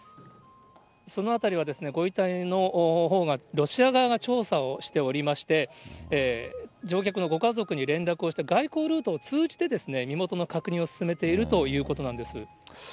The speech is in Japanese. そのあたりは、ご遺体のほうが、ロシア側が調査をしておりまして、乗客のご家族に連絡をして、外交ルートを通じて、身元の確認を進めているということなんです。